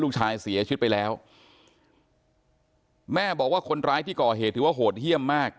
เสียชีวิตไปแล้วแม่บอกว่าคนร้ายที่ก่อเหตุถือว่าโหดเยี่ยมมาก